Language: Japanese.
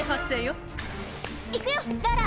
行くよラーラ！